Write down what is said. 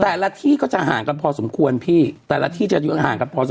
แต่ละที่ก็จะห่างกันพอสมควรพี่แต่ละที่จะอยู่ห่างกันพอสม